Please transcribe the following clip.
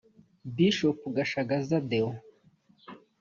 Bichop Gashagaza Deo